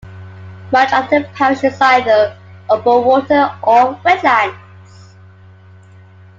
Much of the parish is either open water or wetlands.